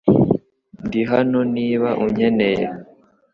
Ndi hano niba unkeneye .